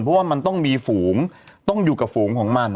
เพราะว่ามันต้องมีฝูงต้องอยู่กับฝูงของมัน